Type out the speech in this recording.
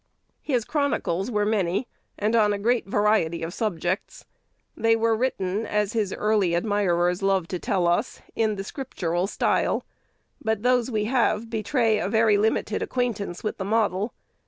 His chronicles were many, and on a great variety of subjects. They were written, as his early admirers love to tell us, "in the scriptural style;" but those we have betray a very limited acquaintance with the model.